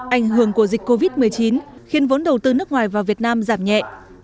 ảnh hưởng của dịch covid một mươi chín khiến vốn đầu tư nước ngoài vào việt nam giảm nhẹ